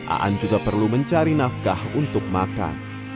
aan juga perlu mencari nafkah untuk makan